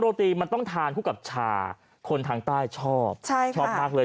ตีมันต้องทานคู่กับชาคนทางใต้ชอบใช่ค่ะชอบมากเลย